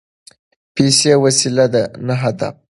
پیسې وسیله ده نه هدف.